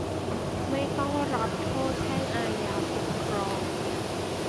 ไม่ต้องรับโทษแพ่ง อาญา ปกครอง